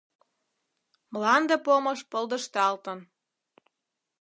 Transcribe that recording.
Мланде помыш полдышталтын —